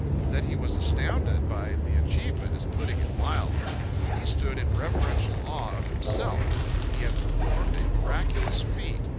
That he was astounded by the achievement, is putting it mildly. He stood in reverential awe of himself; he had performed a miraculous feat.